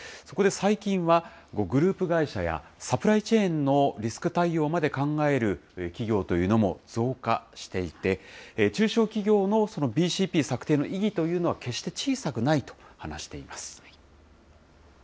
そこで最近は、グループ会社やサプライチェーンのリスク対応まで考える企業というのも増加していて、中小企業のＢＣＰ策定の意義というのは、決して小さくないと話しています。